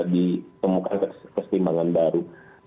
ditemukan kestimbangan baru